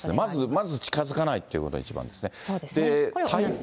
まず近づかないということが一番ですね。